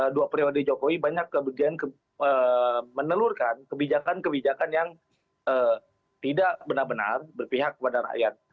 dua periode jokowi banyak kemudian menelurkan kebijakan kebijakan yang tidak benar benar berpihak kepada rakyat